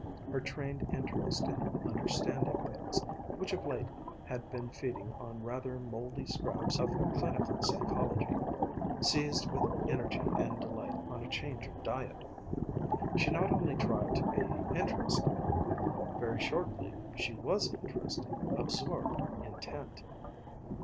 Her trained interest in understanding things, which of late had been feeding on rather moldy scraps of cynical psychology, seized with energy and delight on a change of diet. She not only tried to be interested. Very shortly she was interested, absorbed, intent.